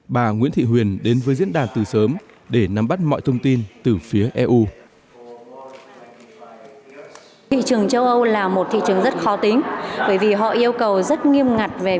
bà nguyễn thị huyền đến với diễn đàn từ sớm để nắm bắt mọi thông tin từ việt nam